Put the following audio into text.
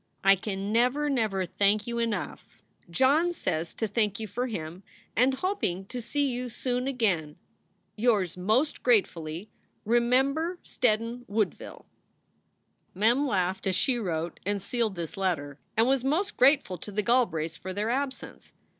I can never never thank you enough John says to thank you for him and hopeing to see you soon again. Yours most gratefully REMEMBER STEDDON WOODVILLE. Mem laughed as she wrote and sealed this letter, and was most grateful to the Galbraiths for their absence.